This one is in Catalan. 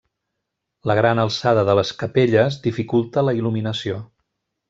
La gran alçada de les capelles dificulta la il·luminació.